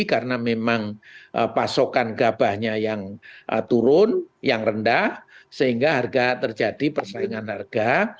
karena memang pasokan gabahnya yang turun yang rendah sehingga harga terjadi persaingan harga